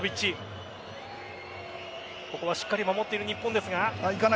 ここはしっかり守っている日本ですが。